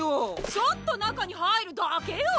ちょっとなかにはいるだけよ！